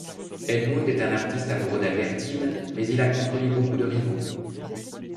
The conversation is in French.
Edmund est un artiste amoureux d'Albertine, mais il a contre lui beaucoup de rivaux.